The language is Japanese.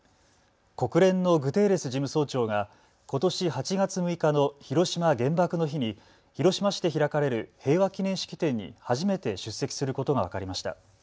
国連のグテーレス事務総長がことし８月６日の広島原爆の日に広島市で開かれる平和記念式典に初めて出席することが分かりました。